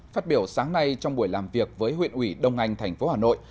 phát biểu sáng nay trong buổi làm việc với huyện ủy đông anh thành phố hà nội